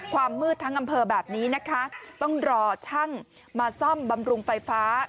ความมืดทั้งอำเภอแบบนี้นะคะต้องรอช่างมาซ่อมบำรุงไฟฟ้า